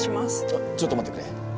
あっちょっと待ってくれ。